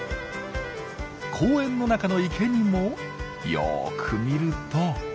公園の中の池にもよく見るとほら！